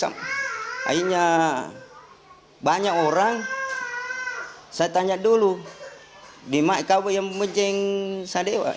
akhirnya banyak orang saya tanya dulu di makkabu yang menceng sadewa